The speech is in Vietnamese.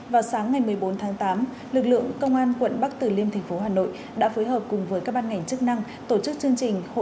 vào sáng ngày một mươi bốn tháng tám lực lượng công an quận bắc tử liêm thành phố hà nội đã phối hợp cùng với các ban ngành chức năng tổ chức chương trình